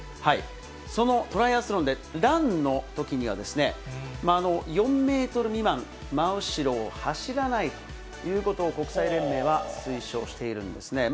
そのトライアスロンで、ランのときには、４メートル未満、真後ろを走らないということを国際連盟は推奨しているんですね。